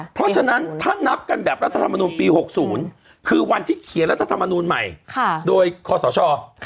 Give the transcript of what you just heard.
เพราะฉะนั้นถ้านับกันแบบรัฐธรรมนูลปี๖๐คือวันที่เขียนรัฐธรรมนูลใหม่โดยคอสช